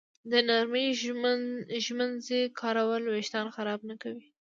د نرمې ږمنځې کارول وېښتان خراب نه کوي.